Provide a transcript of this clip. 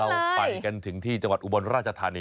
เราไปกันถึงที่จังหวัดอุบลราชธานี